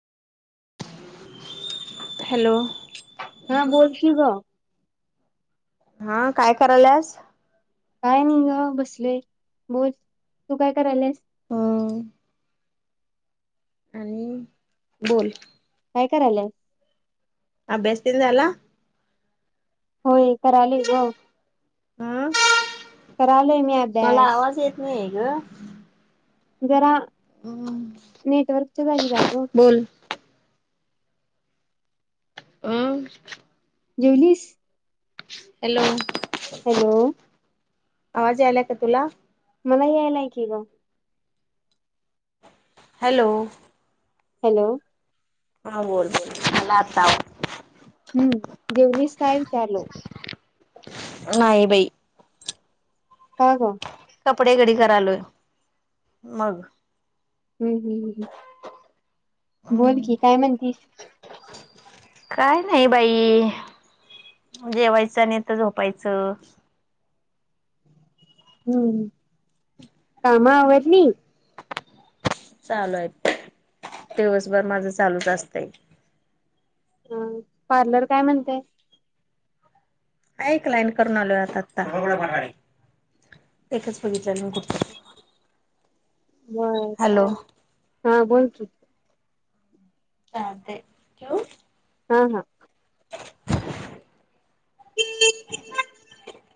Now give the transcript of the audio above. Hello. हा बोल की गं. हा, काय कराल्यास? काय नाही ग बसलोय. बोल, तू काय कराल्यास? हम. आणि बोल. काय कराल्या? अभ्यास तेन झाला? होय. कल जा हं कल मी अभ्यास या जरा नेटवर्क चल रा गो बोल अम जवलीस हॅलो हॅलो आवाज आयलाय का तुला मला यायलाय की ग हॅलो हॅलो हा बोल बोलोल मलाताव हम्म जेवढच काय चालव नाही बाई हा का कपडे घडी करा आलोय मग हम् हम् बोल हम्म की काय म्हणतीस काय नाही बाई जेवायचं नाही तर झोपायचं हम्म कामा आवरली चालूय दिवसभर माझं चालूच असतंय ह पार्लर काय म्हणतेय एकऐ लाईन करून आलो आता आता एकच बघितलं मी कुठ बर हा बोलतु अ ते क्यू हा हा [inaudible] [inaudible]